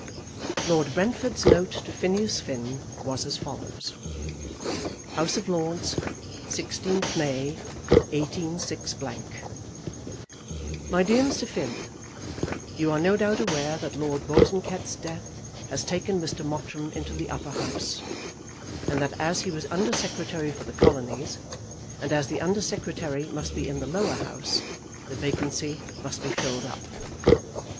Lord Brentford's note to Phineas Finn was as follows: House of Lords, 16th May, 186 . MY DEAR MR. FINN, You are no doubt aware that Lord Bosanquet's death has taken Mr. Mottram into the Upper House, and that as he was Under Secretary for the Colonies, and as the Under Secretary must be in the Lower House, the vacancy must be filled up.